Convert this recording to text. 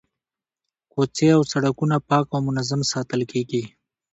کوڅې او سړکونه پاک او منظم ساتل کیږي.